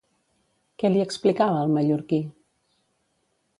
Què li explicava al mallorquí?